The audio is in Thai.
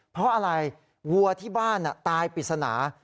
เพราะอะไรวัวที่บ้านตายปริศนา